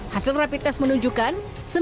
hasil rapid test menunjukkan